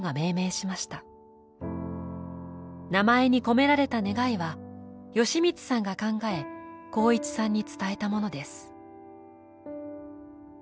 名前に込められた願いは美光さんが考え航一さんに伝えたものです。